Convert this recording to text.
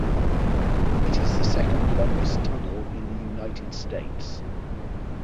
It is the second-longest tunnel in the United States.